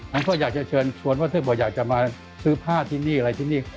งั้นก็อยากจะเชิญชวนว่าถ้าบอกอยากจะมาซื้อผ้าที่นี่อะไรที่นี่